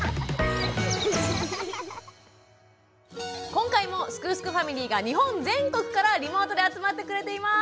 今回も「すくすくファミリー」が日本全国からリモートで集まってくれています。